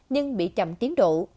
nhưng bị chậm tiến độ